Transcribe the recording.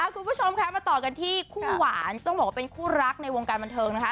คุณผู้ชมคะมาต่อกันที่คู่หวานต้องบอกว่าเป็นคู่รักในวงการบันเทิงนะคะ